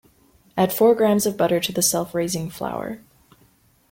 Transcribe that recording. Add four grams of butter to the self raising flour.